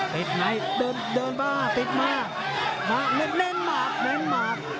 ติดไหนเดินมาติดมามาเล่นมากเล่นมาก